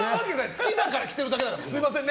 好きだから着てるだけだから。